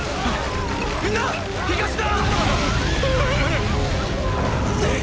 みんな東だ！！